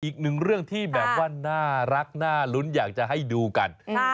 อีกหนึ่งเรื่องที่แบบว่าน่ารักน่าลุ้นอยากจะให้ดูกัน